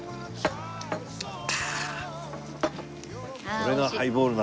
これがハイボールの味だ。